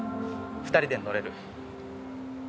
二人で乗れる。